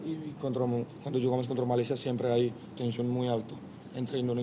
apakah anda akan memberikan pendapat kepada pemain di pertandingan ini